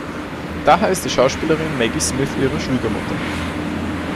Daher ist die Schauspielerin Maggie Smith ihre Schwiegermutter.